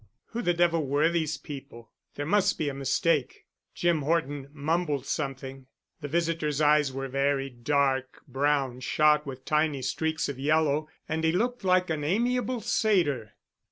Who the devil were these people? There must be a mistake. Jim Horton mumbled something. The visitor's eyes were very dark brown shot with tiny streaks of yellow and he looked like an amiable satyr.